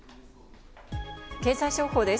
経済情報です。